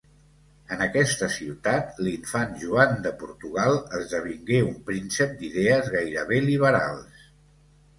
En aquesta ciutat l'infant Joan de Portugal esdevingué un príncep d'idees gairebé liberals.